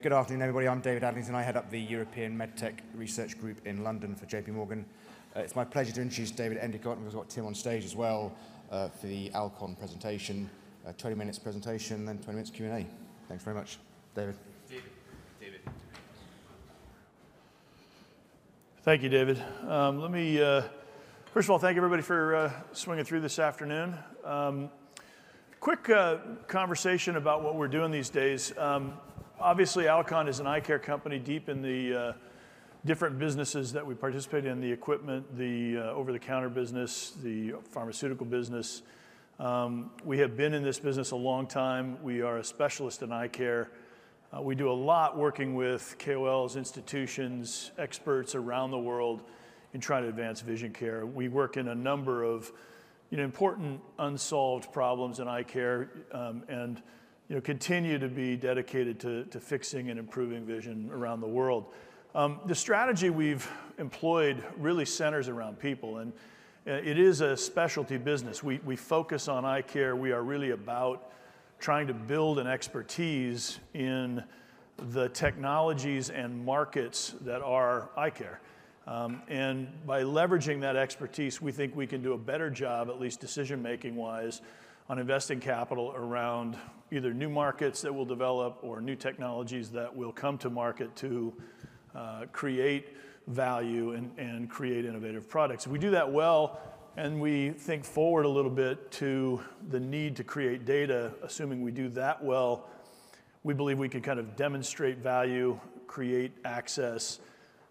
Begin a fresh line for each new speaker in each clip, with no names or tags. Good afternoon, everybody. I'm David Adlington, and I head up the European MedTech Research Group in London for J.P. Morgan. It's my pleasure to introduce David Endicott, and we've got Tim on stage as well for the Alcon presentation: a 20-minute presentation, then 20 minutes Q&A. Thanks very much, David.
David. David.
Thank you, David. Let me, first of all, thank everybody for swinging through this afternoon. Quick conversation about what we're doing these days. Obviously, Alcon is an eye care company deep in the different businesses that we participate in: the equipment, the over-the-counter business, the pharmaceutical business. We have been in this business a long time. We are a specialist in eye care. We do a lot working with KOLs, institutions, experts around the world in trying to advance vision care. We work in a number of important unsolved problems in eye care and continue to be dedicated to fixing and improving vision around the world. The strategy we've employed really centers around people, and it is a specialty business. We focus on eye care. We are really about trying to build an expertise in the technologies and markets that are eye care. And by leveraging that expertise, we think we can do a better job, at least decision-making-wise, on investing capital around either new markets that will develop or new technologies that will come to market to create value and create innovative products. We do that well, and we think forward a little bit to the need to create data. Assuming we do that well, we believe we can kind of demonstrate value, create access,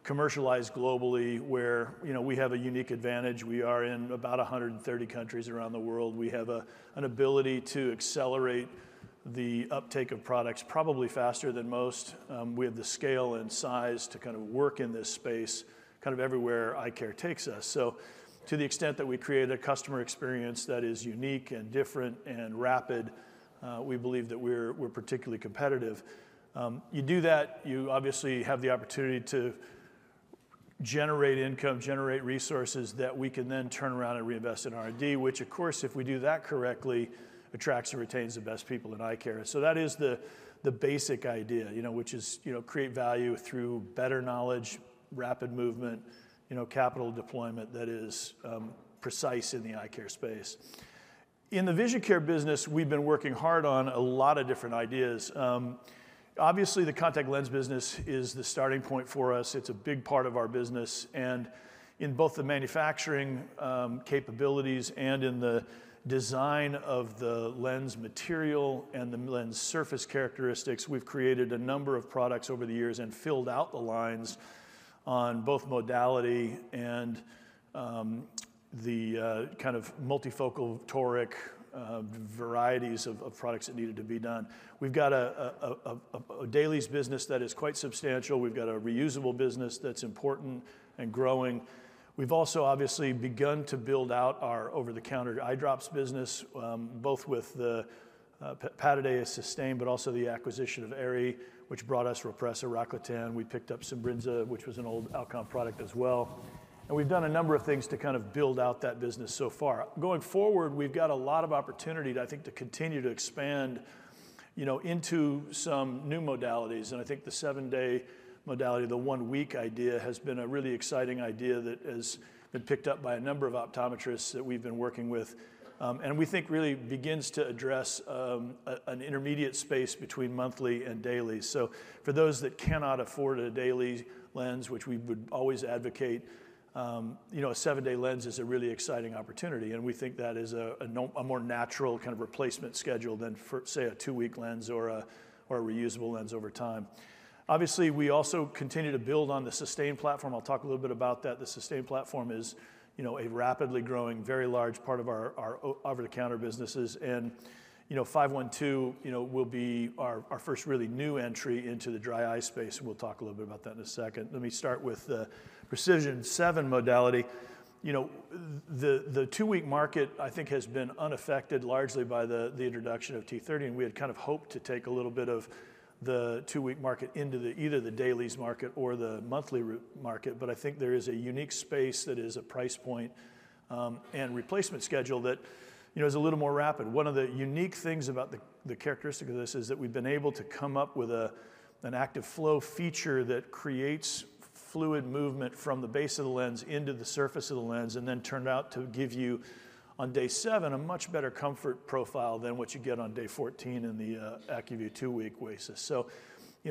commercialize globally where we have a unique advantage. We are in about 130 countries around the world. We have an ability to accelerate the uptake of products probably faster than most. We have the scale and size to kind of work in this space kind of everywhere eye care takes us. So to the extent that we create a customer experience that is unique and different and rapid, we believe that we're particularly competitive. You do that, you obviously have the opportunity to generate income, generate resources that we can then turn around and reinvest in R&D, which, of course, if we do that correctly, attracts and retains the best people in eye care, so that is the basic idea, which is create value through better knowledge, rapid movement, capital deployment that is precise in the eye care space. In the vision care business, we've been working hard on a lot of different ideas. Obviously, the contact lens business is the starting point for us. It's a big part of our business, and in both the manufacturing capabilities and in the design of the lens material and the lens surface characteristics, we've created a number of products over the years and filled out the lines on both modality and the kind of multifocal toric varieties of products that needed to be done. We've got a dailies business that is quite substantial. We've got a reusable business that's important and growing. We've also obviously begun to build out our over-the-counter eye drops business, both with the Pataday and Systane but also the acquisition of Aerie which brought us Rhopressa and Rocklatan. We picked up Simbrinza, which was an old Alcon product as well. And we've done a number of things to kind of build out that business so far. Going forward, we've got a lot of opportunity, I think, to continue to expand into some new modalities. And I think the seven-day modality, the one-week idea, has been a really exciting idea that has been picked up by a number of optometrists that we've been working with. And we think really begins to address an intermediate space between monthly and daily. For those that cannot afford a daily lens, which we would always advocate, a seven-day lens is a really exciting opportunity. We think that is a more natural kind of replacement schedule than, say, a two-week lens or a reusable lens over time. Obviously, we also continue to build on the Systane platform. I'll talk a little bit about that. The Systane platform is a rapidly growing, very large part of our over-the-counter businesses. 512 will be our first really new entry into the dry eye space. We'll talk a little bit about that in a second. Let me start with the PRECISION7 modality. The two-week market, I think, has been unaffected largely by the introduction of T30. We had kind of hoped to take a little bit of the two-week market into either the dailies market or the monthly market. But I think there is a unique space that is a price point and replacement schedule that is a little more rapid. One of the unique things about the characteristic of this is that we've been able to come up with an active flow feature that creates fluid movement from the base of the lens into the surface of the lens and then turned out to give you on day seven a much better comfort profile than what you get on day 14 in the ACUVUE OASYS 2-Week. So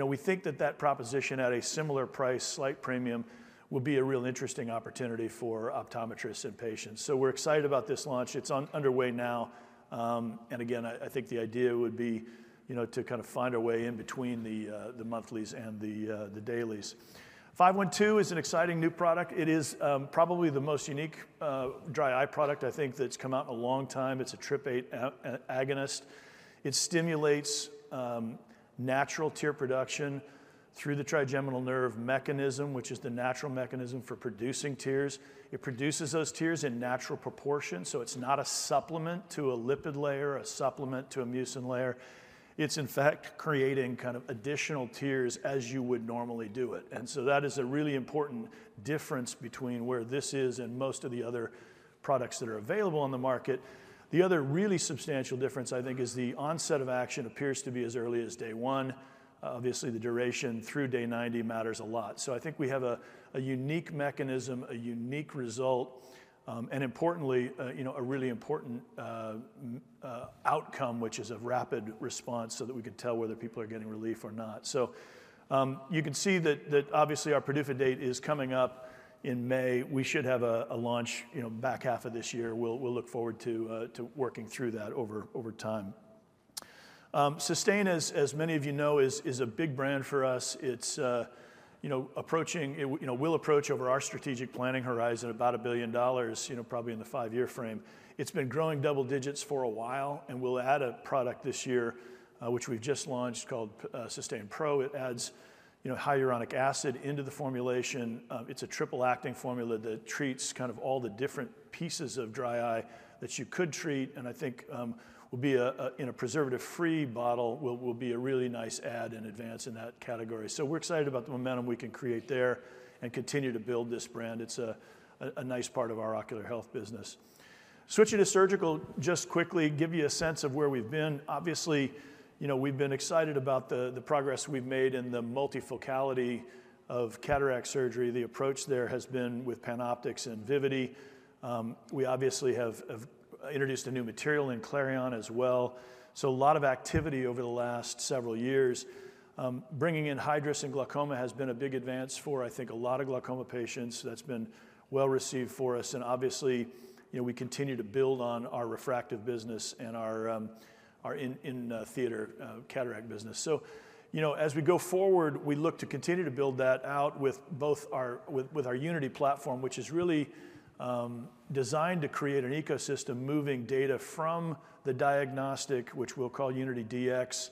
we think that that proposition at a similar price, slight premium, would be a real interesting opportunity for optometrists and patients. So we're excited about this launch. It's underway now. And again, I think the idea would be to kind of find a way in between the monthlies and the dailies. 512 is an exciting new product. It is probably the most unique dry eye product, I think, that's come out in a long time. It's a TRPM8 agonist. It stimulates natural tear production through the trigeminal nerve mechanism, which is the natural mechanism for producing tears. It produces those tears in natural proportions. So it's not a supplement to a lipid layer, a supplement to a mucin layer. It's, in fact, creating kind of additional tears as you would normally do it. And so that is a really important difference between where this is and most of the other products that are available on the market. The other really substantial difference, I think, is the onset of action appears to be as early as day one. Obviously, the duration through day 90 matters a lot. I think we have a unique mechanism, a unique result, and importantly, a really important outcome, which is a rapid response so that we can tell whether people are getting relief or not. You can see that obviously our PDUFA date is coming up in May. We should have a launch back half of this year. We'll look forward to working through that over time. Systane, as many of you know, is a big brand for us. It's approaching, will approach over our strategic planning horizon about $1 billion, probably in the five-year frame. It's been growing double digits for a while, and we'll add a product this year, which we've just launched called Systane Pro. It adds hyaluronic acid into the formulation. It's a triple-acting formula that treats kind of all the different pieces of dry eye that you could treat. I think will be in a preservative-free bottle will be a really nice add in advance in that category. So we're excited about the momentum we can create there and continue to build this brand. It's a nice part of our ocular health business. Switching to surgical just quickly, give you a sense of where we've been. Obviously, we've been excited about the progress we've made in the multifocality of cataract surgery. The approach there has been with PanOptix and Vivity. We obviously have introduced a new material in Clareon as well. So a lot of activity over the last several years. Bringing in Hydrus in glaucoma has been a big advance for, I think, a lot of glaucoma patients. That's been well received for us. And obviously, we continue to build on our refractive business and our in-theater cataract business. So as we go forward, we look to continue to build that out with our Unity platform, which is really designed to create an ecosystem moving data from the diagnostic, which we'll call Unity DX,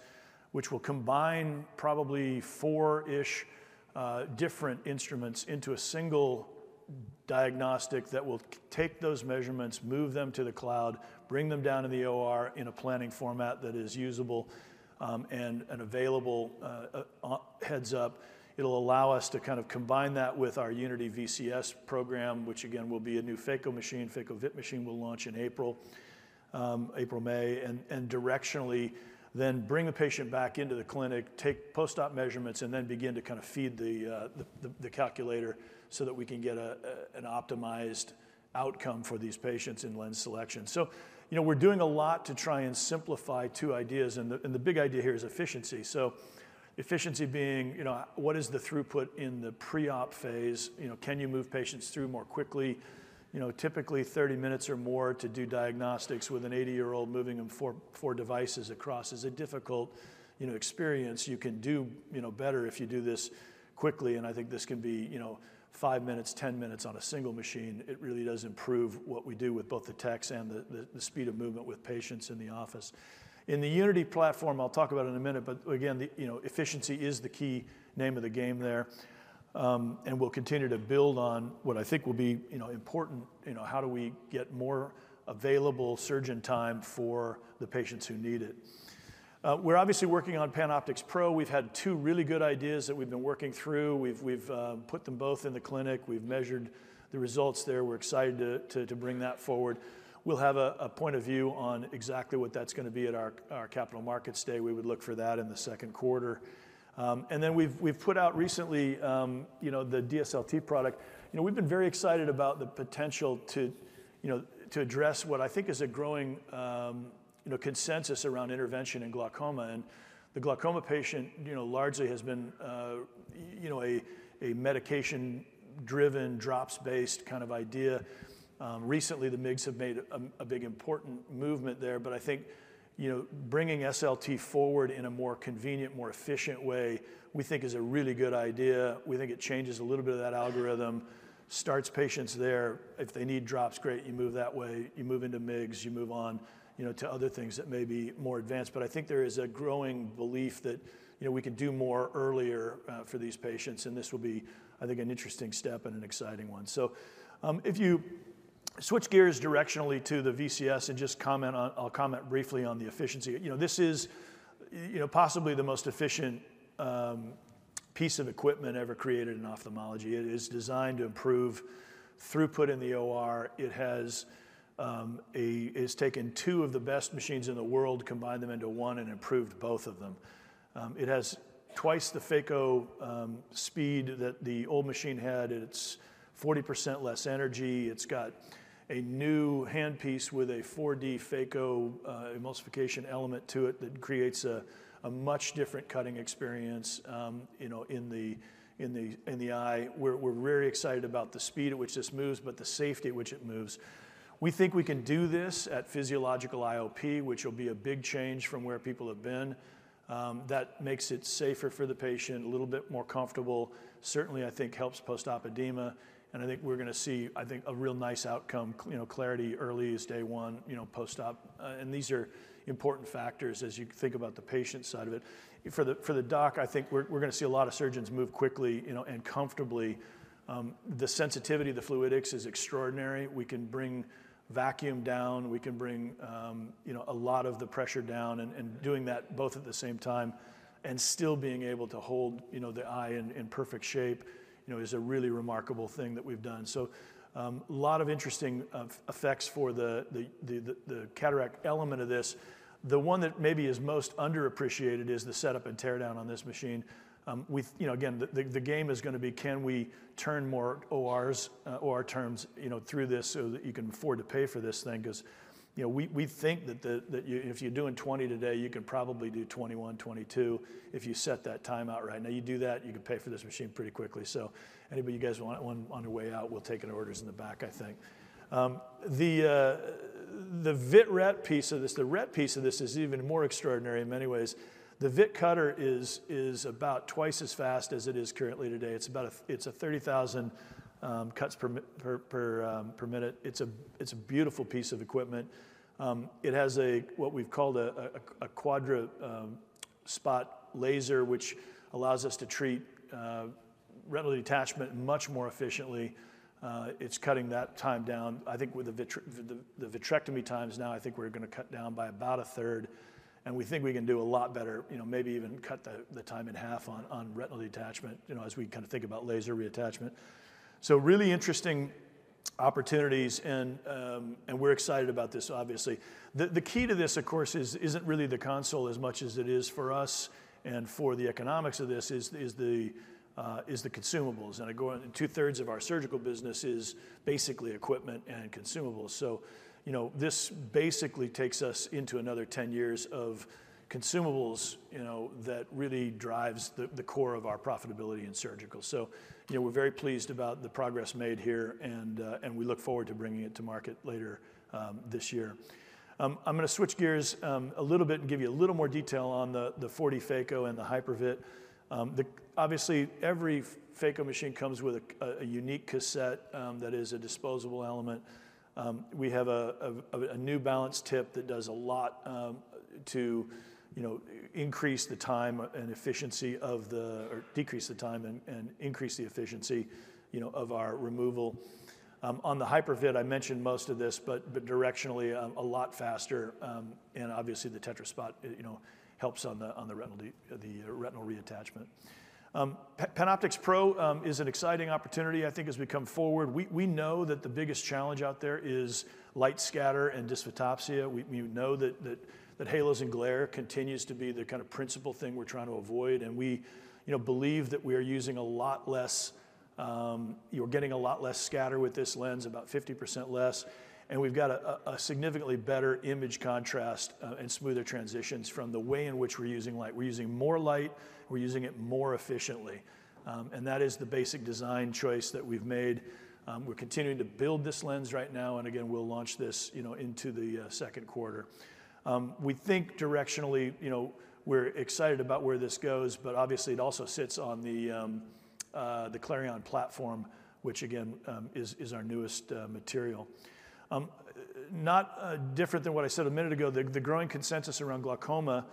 which will combine probably four-ish different instruments into a single diagnostic that will take those measurements, move them to the cloud, bring them down to the OR in a planning format that is usable and available heads-up. It'll allow us to kind of combine that with our Unity VCS program, which again will be a new phaco machine. phaco-vit machine will launch in April, April, May, and directionally then bring a patient back into the clinic, take post-op measurements, and then begin to kind of feed the calculator so that we can get an optimized outcome for these patients in lens selection. So we're doing a lot to try and simplify two ideas. The big idea here is efficiency. Efficiency being, what is the throughput in the pre-op phase? Can you move patients through more quickly? Typically, 30 minutes or more to do diagnostics with an 80-year-old, moving them four devices across is a difficult experience. You can do better if you do this quickly. I think this can be five minutes, 10 minutes on a single machine. It really does improve what we do with both the techs and the speed of movement with patients in the office. In the Unity platform, I'll talk about it in a minute. Again, efficiency is the key name of the game there. We'll continue to build on what I think will be important: how do we get more available surgeon time for the patients who need it? We're obviously working on PanOptix Pro. We've had two really good ideas that we've been working through. We've put them both in the clinic. We've measured the results there. We're excited to bring that forward. We'll have a point of view on exactly what that's going to be at our Capital Markets Day. We would look for that in the second quarter, and then we've put out recently the DSLT product. We've been very excited about the potential to address what I think is a growing consensus around intervention in glaucoma. And the glaucoma patient largely has been a medication-driven, drops-based kind of idea. Recently, the MIGS have made a big important movement there, but I think bringing SLT forward in a more convenient, more efficient way, we think is a really good idea. We think it changes a little bit of that algorithm, starts patients there. If they need drops, great. You move that way. You move into MIGS. You move on to other things that may be more advanced. But I think there is a growing belief that we could do more earlier for these patients. And this will be, I think, an interesting step and an exciting one. So if you switch gears directionally to the VCS and just comment, I'll comment briefly on the efficiency. This is possibly the most efficient piece of equipment ever created in ophthalmology. It is designed to improve throughput in the OR. It has taken two of the best machines in the world, combined them into one, and improved both of them. It has twice the Phaco speed that the old machine had. It's 40% less energy. It's got a new handpiece with a 4D phacoemulsification element to it that creates a much different cutting experience in the eye. We're very excited about the speed at which this moves, but the safety at which it moves. We think we can do this at physiological IOP, which will be a big change from where people have been. That makes it safer for the patient, a little bit more comfortable. Certainly, I think helps post-op edema. And I think we're going to see, I think, a real nice outcome. Clarity early is day one, post-op. And these are important factors as you think about the patient side of it. For the doc, I think we're going to see a lot of surgeons move quickly and comfortably. The sensitivity of the fluidics is extraordinary. We can bring vacuum down. We can bring a lot of the pressure down. And doing that both at the same time and still being able to hold the eye in perfect shape is a really remarkable thing that we've done. So a lot of interesting effects for the cataract element of this. The one that maybe is most underappreciated is the setup and teardown on this machine. Again, the game is going to be, can we turn more OR turns through this so that you can afford to pay for this thing? Because we think that if you're doing 20 today, you can probably do 21, 22 if you set that time out right. Now, you do that, you can pay for this machine pretty quickly. So anybody you guys want on your way out, we'll take orders in the back, I think. The vit-ret piece of this, the ret piece of this is even more extraordinary in many ways. The vit cutter is about twice as fast as it is currently today. It's a 30,000 cuts per minute. It's a beautiful piece of equipment. It has what we've called a Quadra-spot laser, which allows us to treat retinal detachment much more efficiently. It's cutting that time down. I think with the vitrectomy times now, I think we're going to cut down by about a third, and we think we can do a lot better, maybe even cut the time in half on retinal detachment as we kind of think about laser reattachment, so really interesting opportunities, and we're excited about this, obviously. The key to this, of course, isn't really the console as much as it is for us and for the economics of this is the consumables, and two-thirds of our surgical business is basically equipment and consumables. So this basically takes us into another 10 years of consumables that really drives the core of our profitability in surgical. So we're very pleased about the progress made here. And we look forward to bringing it to market later this year. I'm going to switch gears a little bit and give you a little more detail on the 4D Phaco and the HyperVit. Obviously, every phaco machine comes with a unique cassette that is a disposable element. We have a new balance tip that does a lot to increase the time and efficiency or decrease the time and increase the efficiency of our removal. On the HyperVit, I mentioned most of this, but directionally a lot faster. And obviously, the Quadra-spot helps on the retinal reattachment. PanOptix Pro is an exciting opportunity, I think, as we come forward. We know that the biggest challenge out there is light scatter and dysphotopsia. We know that halos and glare continues to be the kind of principal thing we're trying to avoid, and we believe that we are using a lot less. We're getting a lot less scatter with this lens, about 50% less, and we've got a significantly better image contrast and smoother transitions from the way in which we're using light. We're using more light. We're using it more efficiently, and that is the basic design choice that we've made. We're continuing to build this lens right now, and again, we'll launch this into the second quarter. We think directionally we're excited about where this goes, but obviously, it also sits on the Clareon platform, which again is our newest material. Not different than what I said a minute ago. The growing consensus around glaucoma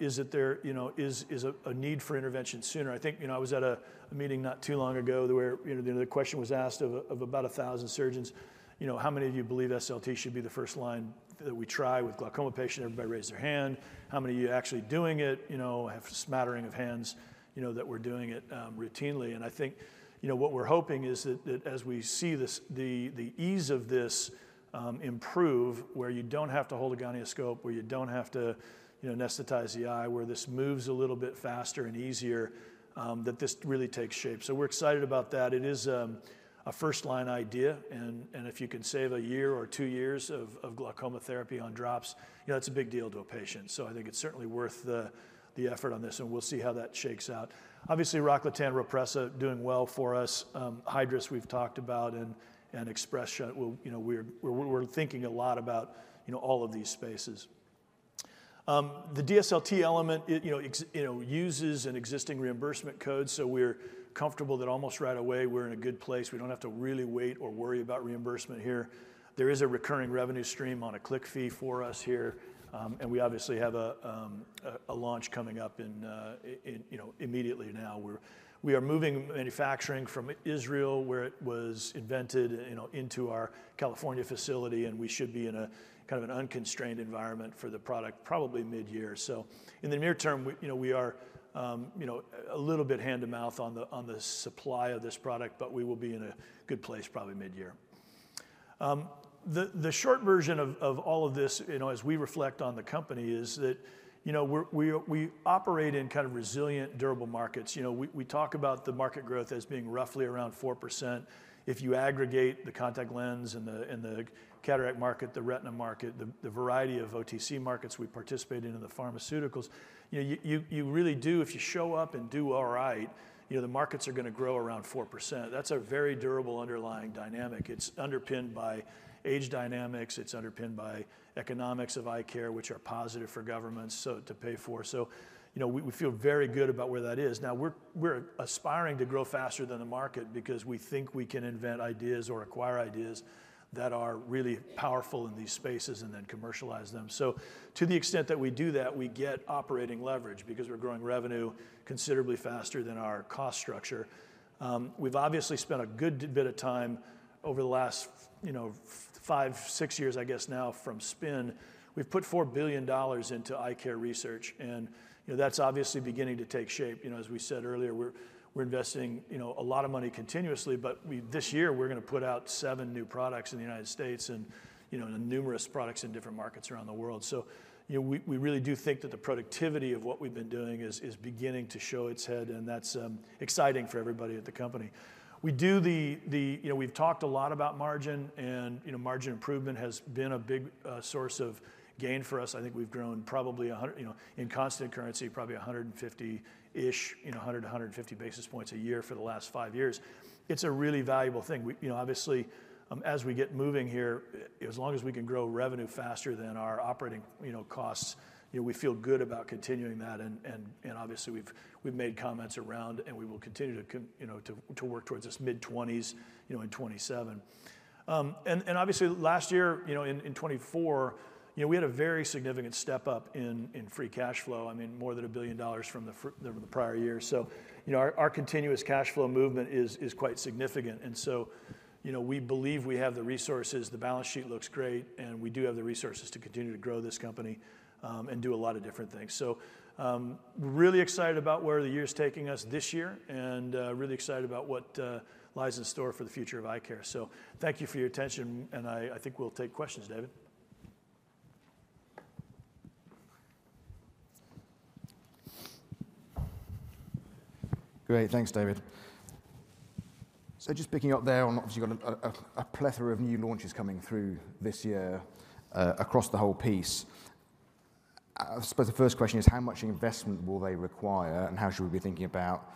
is that there is a need for intervention sooner. I think I was at a meeting not too long ago where the question was asked of about 1,000 surgeons, how many of you believe SLT should be the first line that we try with glaucoma patients? Everybody raised their hand. How many of you are actually doing it? I have a smattering of hands that we're doing it routinely. And I think what we're hoping is that as we see the ease of this improve, where you don't have to hold a gonioscope, where you don't have to anesthetize the eye, where this moves a little bit faster and easier, that this really takes shape. So we're excited about that. It is a first-line idea. And if you can save a year or two years of glaucoma therapy on drops, that's a big deal to a patient. So I think it's certainly worth the effort on this. And we'll see how that shakes out. Obviously, Rocklatan, Rhopressa, doing well for us. Hydrus, we've talked about. And Ex-PRESS, we're thinking a lot about all of these spaces. The DSLT element uses an existing reimbursement code. So we're comfortable that almost right away we're in a good place. We don't have to really wait or worry about reimbursement here. There is a recurring revenue stream on a click fee for us here. And we obviously have a launch coming up immediately now. We are moving manufacturing from Israel, where it was invented, into our California facility. And we should be in a kind of an unconstrained environment for the product probably mid-year. So in the near term, we are a little bit hand-to-mouth on the supply of this product. But we will be in a good place probably mid-year. The short version of all of this, as we reflect on the company, is that we operate in kind of resilient, durable markets. We talk about the market growth as being roughly around 4%. If you aggregate the contact lens and the cataract market, the retina market, the variety of OTC markets we participate in, and the pharmaceuticals, you really do, if you show up and do all right, the markets are going to grow around 4%. That's a very durable underlying dynamic. It's underpinned by age dynamics. It's underpinned by economics of eye care, which are positive for governments to pay for. So we feel very good about where that is. Now, we're aspiring to grow faster than the market because we think we can invent ideas or acquire ideas that are really powerful in these spaces and then commercialize them, so to the extent that we do that, we get operating leverage because we're growing revenue considerably faster than our cost structure. We've obviously spent a good bit of time over the last five, six years, I guess now, from spin. We've put $4 billion into eye care research, and that's obviously beginning to take shape. As we said earlier, we're investing a lot of money continuously, but this year, we're going to put out seven new products in the United States and numerous products in different markets around the world, so we really do think that the productivity of what we've been doing is beginning to show its head, and that's exciting for everybody at the company. We've talked a lot about margin. And margin improvement has been a big source of gain for us. I think we've grown probably in constant currency, probably 150-ish, 100 to 150 basis points a year for the last five years. It's a really valuable thing. Obviously, as we get moving here, as long as we can grow revenue faster than our operating costs, we feel good about continuing that. And obviously, we've made comments around. And we will continue to work towards this mid-20s in 2027. And obviously, last year in 2024, we had a very significant step up in free cash flow, I mean, more than $1 billion from the prior year. So our continuous cash flow movement is quite significant. And so we believe we have the resources. The balance sheet looks great. And we do have the resources to continue to grow this company and do a lot of different things. So we're really excited about where the year is taking us this year and really excited about what lies in store for the future of eye care. So thank you for your attention. And I think we'll take questions, David.
Great. Thanks, David. So just picking up there, obviously, you've got a plethora of new launches coming through this year across the whole piece. I suppose the first question is, how much investment will they require? And how should we be thinking about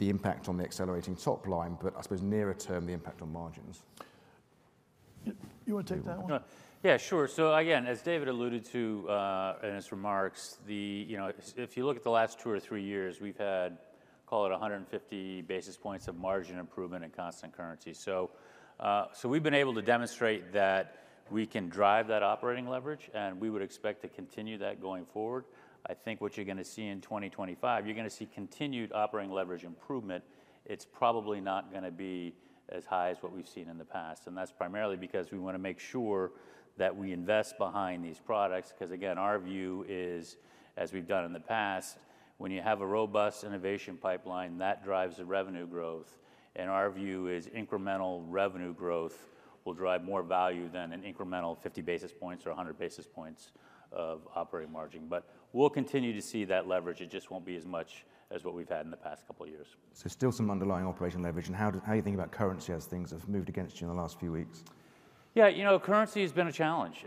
the impact on the accelerating top line? But I suppose nearer term, the impact on margins.
You want to take that one?
Yeah, sure. So again, as David alluded to in his remarks, if you look at the last two or three years, we've had, call it 150 basis points of margin improvement in constant currency. So we've been able to demonstrate that we can drive that operating leverage. And we would expect to continue that going forward. I think what you're going to see in 2025, you're going to see continued operating leverage improvement. It's probably not going to be as high as what we've seen in the past. And that's primarily because we want to make sure that we invest behind these products. Because again, our view is, as we've done in the past, when you have a robust innovation pipeline, that drives the revenue growth. And our view is incremental revenue growth will drive more value than an incremental 50 basis points or 100 basis points of operating margin. But we'll continue to see that leverage. It just won't be as much as what we've had in the past couple of years.
So, still some underlying operating leverage. And how do you think about currency as things have moved against you in the last few weeks?
Yeah, currency has been a challenge.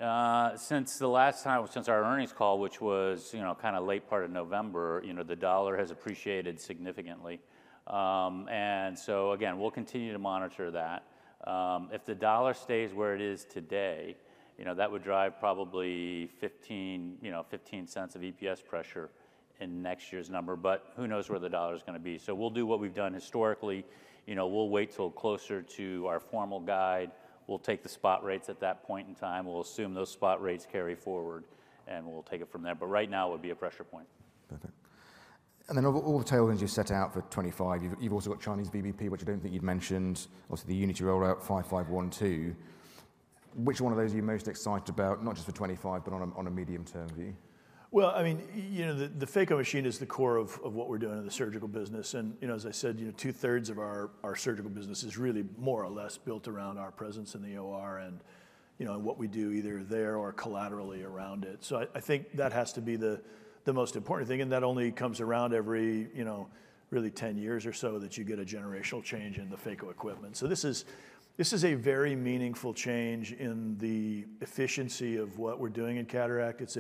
Since the last time, since our earnings call, which was kind of late part of November, the dollar has appreciated significantly. And so again, we'll continue to monitor that. If the dollar stays where it is today, that would drive probably $0.15 of EPS pressure in next year's number. But who knows where the dollar is going to be? So we'll do what we've done historically. We'll wait till closer to our formal guide. We'll take the spot rates at that point in time. We'll assume those spot rates carry forward. And we'll take it from there. But right now, it would be a pressure point.
Perfect. And then all the tailwinds you've set out for 2025, you've also got Chinese VBP, which I don't think you've mentioned, also the Unity rollout 512. Which one of those are you most excited about, not just for 2025, but on a medium-term view?
I mean, the phaco machine is the core of what we're doing in the surgical business. As I said, two-thirds of our surgical business is really more or less built around our presence in the OR and what we do either there or collaterally around it. I think that has to be the most important thing. That only comes around every really 10 years or so that you get a generational change in the phaco equipment. This is a very meaningful change in the efficiency of what we're doing in cataract. It's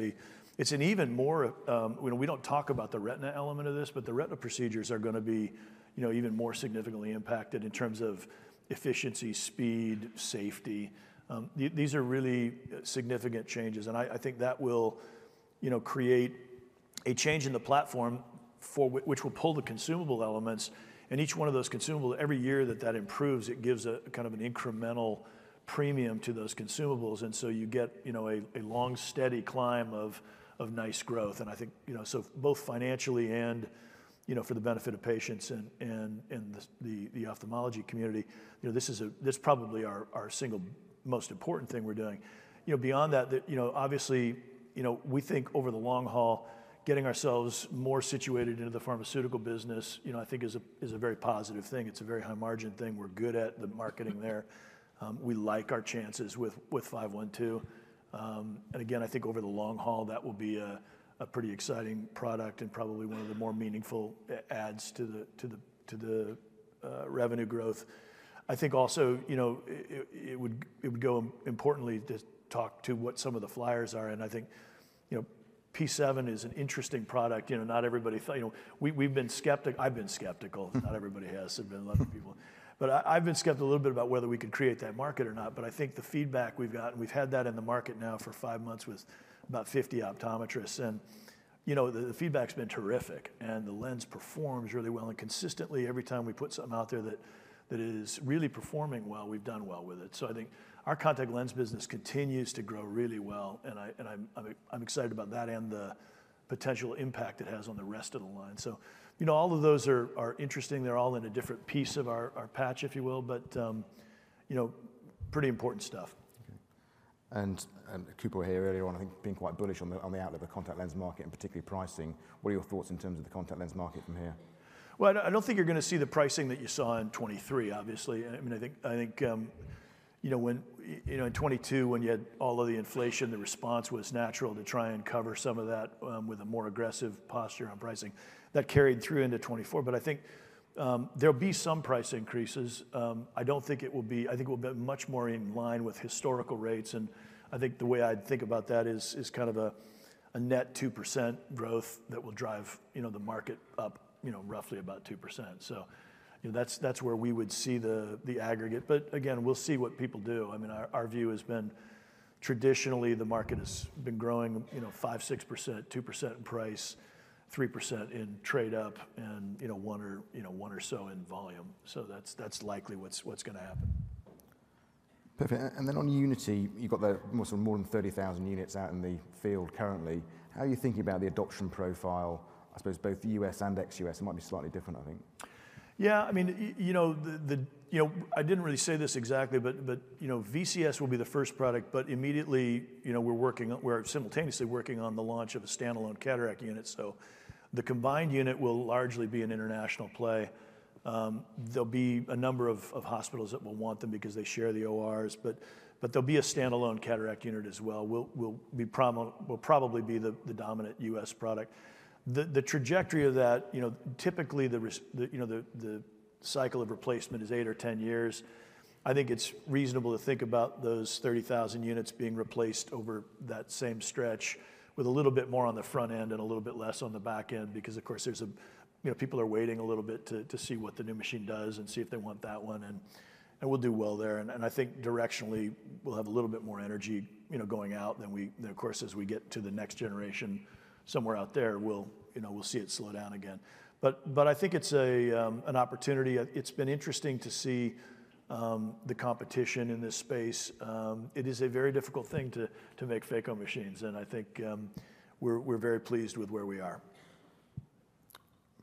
even more. We don't talk about the retina element of this. The retina procedures are going to be even more significantly impacted in terms of efficiency, speed, safety. These are really significant changes. I think that will create a change in the platform, which will pull the consumable elements. And each one of those consumables, every year that that improves, it gives kind of an incremental premium to those consumables. And so you get a long, steady climb of nice growth. And I think so both financially and for the benefit of patients and the ophthalmology community, this is probably our single most important thing we're doing. Beyond that, obviously, we think over the long haul, getting ourselves more situated into the pharmaceutical business, I think, is a very positive thing. It's a very high-margin thing. We're good at the marketing there. We like our chances with 512. And again, I think over the long haul, that will be a pretty exciting product and probably one of the more meaningful adds to the revenue growth. I think also it would go importantly to talk to what some of the flyers are. And I think P7 is an interesting product. Not everybody. We've been skeptical. I've been skeptical. Not everybody has. There have been a lot of people, but I've been skeptical a little bit about whether we could create that market or not, but I think the feedback we've got, and we've had that in the market now for five months with about 50 optometrists, and the feedback's been terrific, and the lens performs really well, and consistently, every time we put something out there that is really performing well, we've done well with it, so I think our contact lens business continues to grow really well, and I'm excited about that and the potential impact it has on the rest of the line, so all of those are interesting. They're all in a different piece of our patch, if you will, but pretty important stuff.
Cooper here earlier on, I think, being quite bullish on the outlook of the contact lens market and particularly pricing. What are your thoughts in terms of the contact lens market from here?
I don't think you're going to see the pricing that you saw in 2023, obviously. I mean, I think in 2022, when you had all of the inflation, the response was natural to try and cover some of that with a more aggressive posture on pricing. That carried through into 2024. But I think there'll be some price increases. I don't think it will be. I think it will be much more in line with historical rates. And I think the way I'd think about that is kind of a net 2% growth that will drive the market up roughly about 2%. So that's where we would see the aggregate. But again, we'll see what people do. I mean, our view has been traditionally, the market has been growing 5%, 6%, 2% in price, 3% in trade-up, and 1% or so in volume. That's likely what's going to happen.
Perfect. And then on Unity, you've got more than 30,000 units out in the field currently. How are you thinking about the adoption profile, I suppose, both the US and ex-US? It might be slightly different, I think.
Yeah. I mean, I didn't really say this exactly. But VCS will be the first product. But immediately, we're simultaneously working on the launch of a standalone cataract unit. So the combined unit will largely be an international play. There'll be a number of hospitals that will want them because they share the ORs. But there'll be a standalone cataract unit as well. We'll probably be the dominant U.S. product. The trajectory of that, typically, the cycle of replacement is eight or 10 years. I think it's reasonable to think about those 30,000 units being replaced over that same stretch with a little bit more on the front end and a little bit less on the back end. Because of course, people are waiting a little bit to see what the new machine does and see if they want that one. And we'll do well there. And I think directionally, we'll have a little bit more energy going out. Then of course, as we get to the next generation somewhere out there, we'll see it slow down again. But I think it's an opportunity. It's been interesting to see the competition in this space. It is a very difficult thing to make phaco machines. And I think we're very pleased with where we are.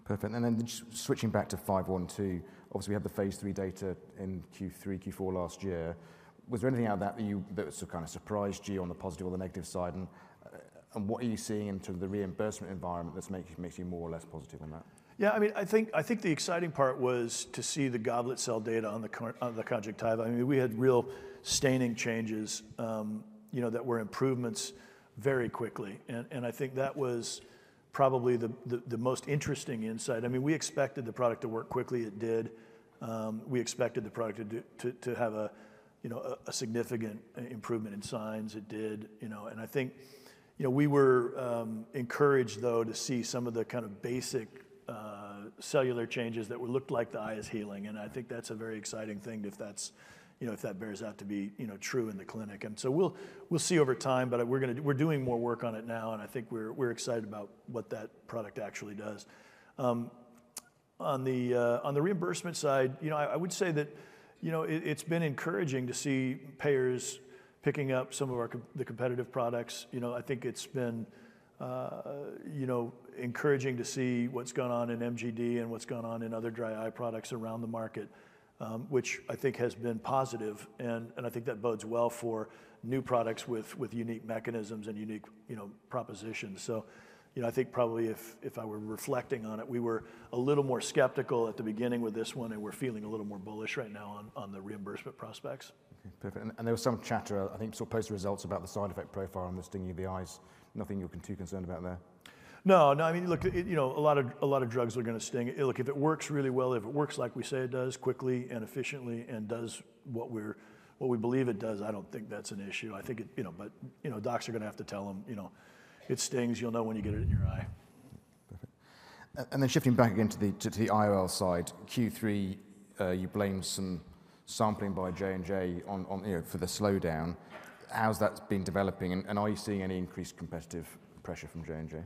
Perfect. And then switching back to 512, obviously, we had the Phase III data in Q3, Q4 last year. Was there anything out of that that sort of kind of surprised you on the positive or the negative side? And what are you seeing in terms of the reimbursement environment that makes you more or less positive on that?
Yeah. I mean, I think the exciting part was to see the goblet cell data on the conjunctiva. I mean, we had real staining changes that were improvements very quickly. And I think that was probably the most interesting insight. I mean, we expected the product to work quickly. It did. We expected the product to have a significant improvement in signs. It did. And I think we were encouraged, though, to see some of the kind of basic cellular changes that looked like the eye is healing. And I think that's a very exciting thing if that bears out to be true in the clinic. And so we'll see over time. But we're doing more work on it now. And I think we're excited about what that product actually does. On the reimbursement side, I would say that it's been encouraging to see payers picking up some of the competitive products. I think it's been encouraging to see what's gone on in MGD and what's gone on in other dry eye products around the market, which I think has been positive. And I think that bodes well for new products with unique mechanisms and unique propositions. So I think probably if I were reflecting on it, we were a little more skeptical at the beginning with this one. And we're feeling a little more bullish right now on the reimbursement prospects.
Perfect. And there was some chatter, I think, sort of post-results about the side effect profile and the stinging of the eyes. Nothing you're too concerned about there?
No. No. I mean, look, a lot of drugs are going to sting. Look, if it works really well, if it works like we say it does, quickly and efficiently, and does what we believe it does, I don't think that's an issue. I think it, but docs are going to have to tell them, it stings. You'll know when you get it in your eye.
Perfect. And then shifting back again to the IOL side, Q3, you blamed some sampling by J&J for the slowdown. How's that been developing? And are you seeing any increased competitive pressure from J&J?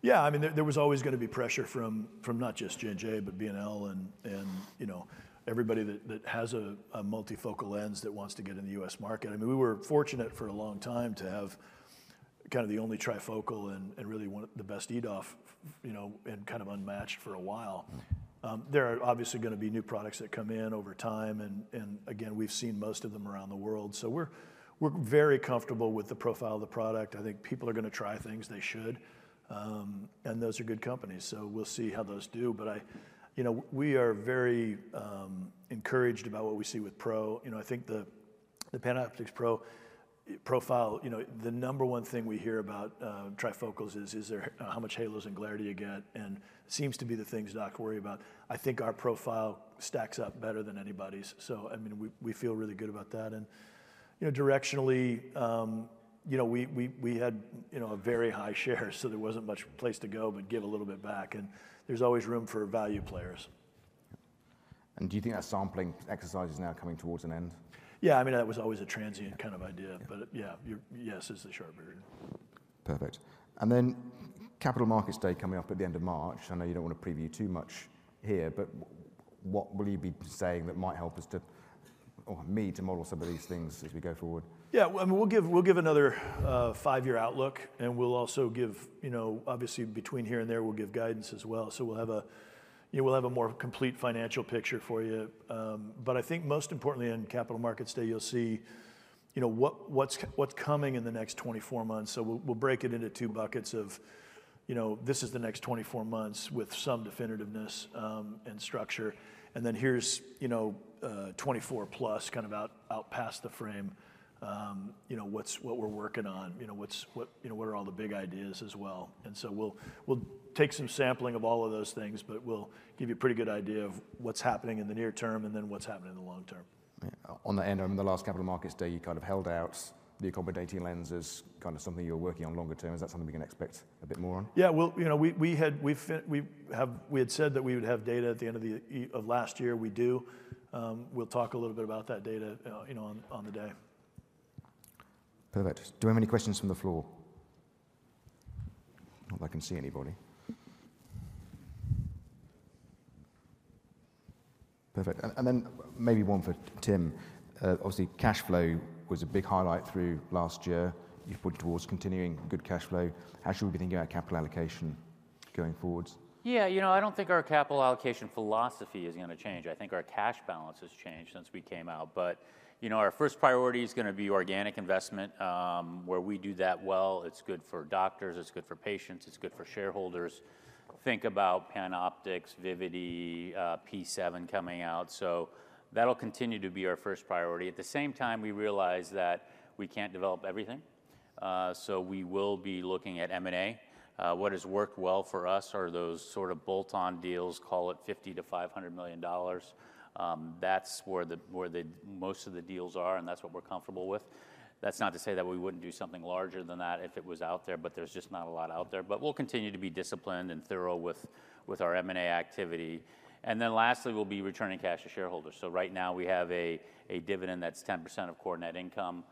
Yeah. I mean, there was always going to be pressure from not just J&J, but B&L and everybody that has a multifocal lens that wants to get in the U.S. market. I mean, we were fortunate for a long time to have kind of the only trifocal and really the best EDOF and kind of unmatched for a while. There are obviously going to be new products that come in over time. And again, we've seen most of them around the world. So we're very comfortable with the profile of the product. I think people are going to try things. They should. And those are good companies. So we'll see how those do. But we are very encouraged about what we see with Pro. I think the PanOptix Pro profile, the number one thing we hear about trifocals is how much halos and glare do you get. And seems to be the things docs worry about. I think our profile stacks up better than anybody's. So I mean, we feel really good about that. And directionally, we had a very high share. So there wasn't much place to go but give a little bit back. And there's always room for value players.
Do you think our sampling exercise is now coming towards an end?
Yeah. I mean, that was always a transient kind of idea. But yeah, yes is the short version.
Perfect. And then Capital Markets Day coming up at the end of March. I know you don't want to preview too much here. But what will you be saying that might help us to or me to model some of these things as we go forward?
Yeah. I mean, we'll give another five-year outlook, and we'll also give obviously, between here and there, we'll give guidance as well, so we'll have a more complete financial picture for you. But I think most importantly, on Capital Markets Day, you'll see what's coming in the next 24 months, so we'll break it into two buckets of this is the next 24 months with some definitiveness and structure, and then here's 24 plus kind of out past the frame, what we're working on, what are all the big ideas as well, and so we'll take some sampling of all of those things, but we'll give you a pretty good idea of what's happening in the near term and then what's happening in the long term.
On that end, I mean, the last Capital Markets Day, you kind of held out the accommodating lens as kind of something you were working on longer term. Is that something we can expect a bit more on?
Yeah. We had said that we would have data at the end of last year. We do. We'll talk a little bit about that data on the day.
Perfect. Do we have any questions from the floor? Not that I can see anybody. Perfect, and then maybe one for Tim. Obviously, cash flow was a big highlight through last year. You've put towards continuing good cash flow. How should we be thinking about capital allocation going forwards?
Yeah. You know, I don't think our capital allocation philosophy is going to change. I think our cash balance has changed since we came out. But our first priority is going to be organic investment. Where we do that well, it's good for doctors. It's good for patients. It's good for shareholders. Think about PanOptix, Vivity, P7 coming out. So that'll continue to be our first priority. At the same time, we realize that we can't develop everything. So we will be looking at M&A. What has worked well for us are those sort of bolt-on deals, call it $50-$500 million. That's where most of the deals are. And that's what we're comfortable with. That's not to say that we wouldn't do something larger than that if it was out there. But there's just not a lot out there. But we'll continue to be disciplined and thorough with our M&A activity. And then lastly, we'll be returning cash to shareholders. So right now, we have a dividend that's 10% of core net income.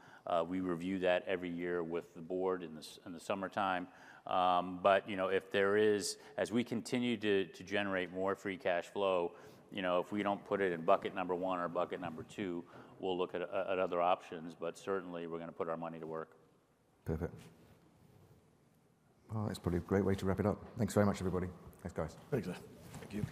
We review that every year with the board in the summertime. But if there is, as we continue to generate more free cash flow, if we don't put it in bucket number one or bucket number two, we'll look at other options. But certainly, we're going to put our money to work.
Perfect. Well, that's probably a great way to wrap it up. Thanks very much, everybody. Thanks, guys.
Thanks, guys.
Thank you.